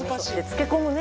漬け込むね